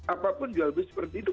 apapun jual beli seperti itu